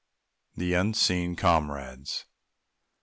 THE UNSEEN COMRADES.